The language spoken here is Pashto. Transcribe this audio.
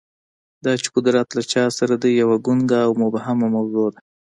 دا چې قدرت له چا سره دی، یوه ګونګه او مبهمه موضوع ده.